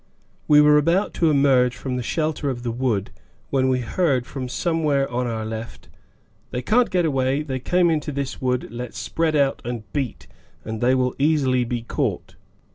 We were just about to emerge from the shelter of the wood when we heard, from somewhere on our left, "They can't get away, they came into this wood; let's spread out and beat, and they will easily be caught!"